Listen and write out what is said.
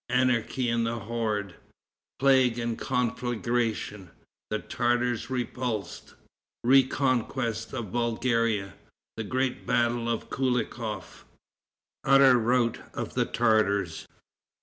Anarchy in the Horde. Plague and Conflagration. The Tartars Repulsed. Reconquest of Bulgaria. The Great Battle of Koulikof. Utter Rout of the Tartars.